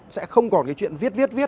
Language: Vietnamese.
sẽ không còn cái chuyện viết viết viết